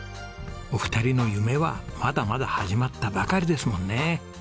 お二人の夢はまだまだ始まったばかりですもんね。